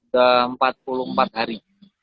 ke empat puluh empat hari